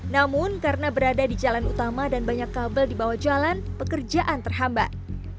namun karena berada di jalan utama dan banyak kabel di bawah jalan pekerjaan terhambat